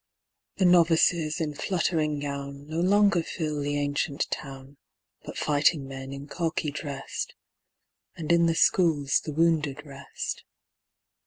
The novices in fluttering gown No longer fill the ancient town, But fighting men in khaki drest And in the Schools the wounded rest.